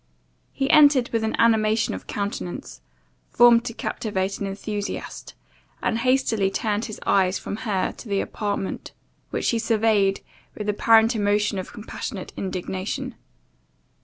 He entered with an animation of countenance, formed to captivate an enthusiast; and, hastily turned his eyes from her to the apartment, which he surveyed with apparent emotions of compassionate indignation.